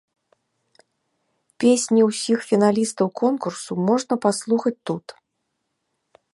Песні ўсіх фіналістаў конкурсу можна паслухаць тут.